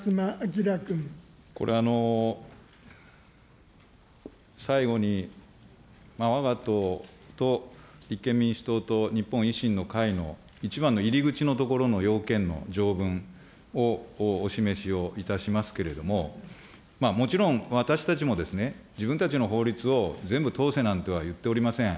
これ最後に、わが党と立憲民主党と日本維新の会の一番の入り口のところの要件の条文をお示しをいたしますけれども、もちろん私たちもですね、自分たちの法律を全部通せなんとは言っておりません。